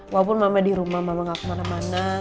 walaupun mama di rumah mama gak kemana mana